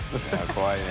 怖いね。